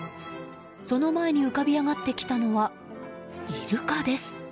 その前に浮かび上がってきたのはイルカです。